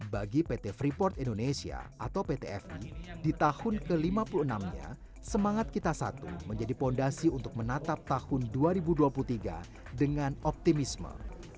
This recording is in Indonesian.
bagi pt freeport indonesia atau pt fi di tahun ke lima puluh enam nya semangat kita satu menjadi fondasi untuk menatap tahun dua ribu dua puluh tiga dengan optimisme